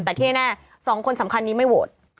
แต่ที่แน่๒คนสำคัญนี้ไม่โหวต